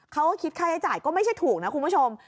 เขาก็คิดค่าใช้จ่ายก็ไม่ใช่ถูกนะคุณผู้ชม